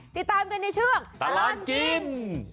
ติดตามกันในช่วงตลอดกิน